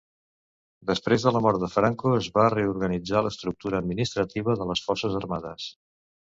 Després de la mort de Franco es va reorganitzar l'estructura administrativa de les Forces Armades.